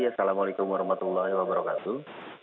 assalamualaikum warahmatullahi wabarakatuh